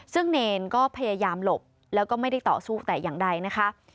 ซึ่งเนรก็พยายามหลบแล้วก็ไม่ได้ต่อสู้แต่อย่างใดนะคะ